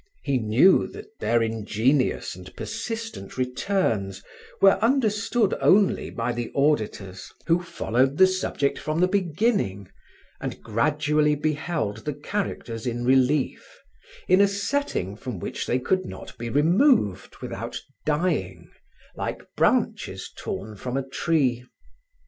He knew that their ingenious and persistent returns were understood only by the auditors who followed the subject from the beginning and gradually beheld the characters in relief, in a setting from which they could not be removed without dying, like branches torn from a tree.